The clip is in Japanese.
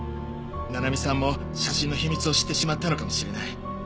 七海さんも写真の秘密を知ってしまったのかもしれない。